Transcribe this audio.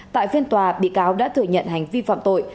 tại phiên tòa bị cáo đã thừa nhận hành vi phạm tội